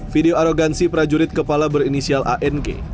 video arogansi prajurit kepala berinisial an